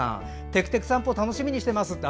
「てくてく散歩」を楽しみにしていますって。